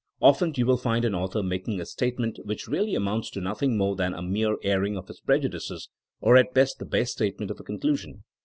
Often you will find an author making a state ment which really amounts to nothing more than a mere airing of his prejudices, or at best the bare statement of a conclusion.